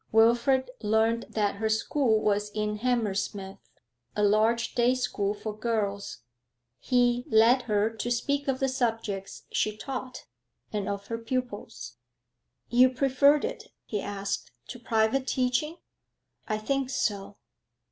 Wilfrid learned that her school was in Hammersmith, a large day school for girls; he led her to speak of the subjects she taught, and of her pupils. 'You prefer it,' he asked, 'to private teaching?' 'I think so.'